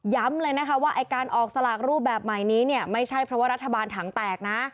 เลยนะคะว่าไอ้การออกสลากรูปแบบใหม่นี้เนี่ยไม่ใช่เพราะว่ารัฐบาลถังแตกนะ